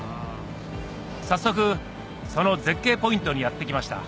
早速その絶景ポイントにやって来ました